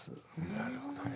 なるほどね。